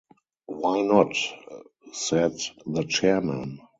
‘Why not?’ said the chairman.